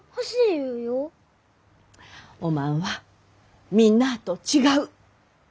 おまんはみんなあと違う。